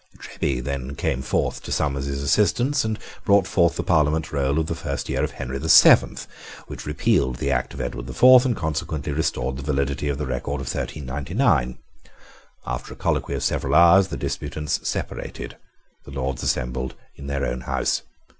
Treby then came to Somers's assistance, and brought forth the Parliament roll of the first year of Henry the Seventh, which repealed the act of Edward the Fourth, and consequently restored the validity of the record of 1399. After a colloquy of several hours the disputants separated. The Lords assembled in their own house.